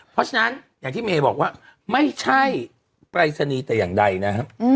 เพราะฉะนั้นอย่างที่เมย์บอกว่าไม่ใช่ปรายศนีย์แต่อย่างใดนะครับ